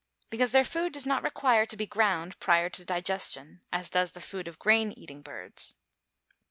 _ Because their food does not require to be ground prior to digestion, as does the food of grain eating birds.